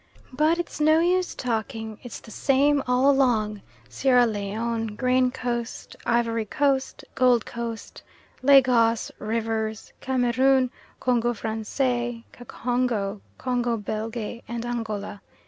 But it's no use talking, it's the same all along, Sierra Leone, Grain Coast, Ivory Coast, Gold Coast, Lagos, Rivers, Cameroon, Congo Francais, Kacongo, Congo Belge, and Angola.